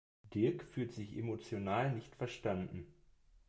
Dirk fühlt sich emotional nicht verstanden.